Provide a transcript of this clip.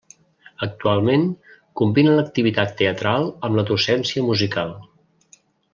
Actualment, combina l'activitat teatral amb la docència musical.